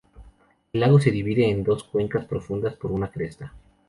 El lago se divide en dos cuencas profundas por una cresta.